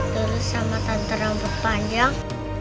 terus sama tante rambut panjang